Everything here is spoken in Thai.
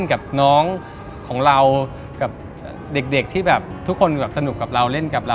อันนี้นาฬิกา